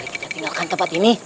kita tinggalkan tempat ini